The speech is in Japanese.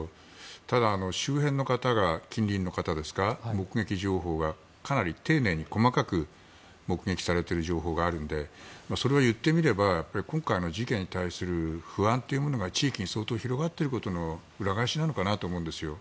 ただ、周辺の方が近隣の方ですか目撃情報がかなり丁寧に細かく目撃されている情報があるのでそれは言ってみれば今回の事件に対する不安というものが地域に相当広がっていることの裏返しなのかなと思うんですよ。